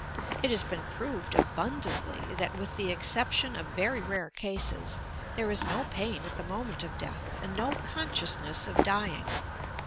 It has been proved abundantly that, with the exception of very rare cases, there is no pain at the moment of death and no consciousness of dying.